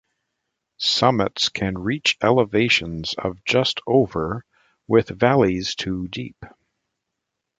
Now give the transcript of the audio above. Summits can reach elevations of just over with valleys to deep.